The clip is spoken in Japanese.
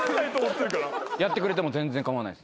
やってくれても全然構わないです。